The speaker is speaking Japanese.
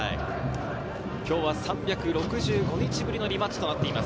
今日は３６５日ぶりのリマッチとなっています。